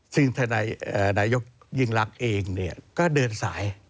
ซึ่งท่านนายกยิ่งรักเองก็เดินสาย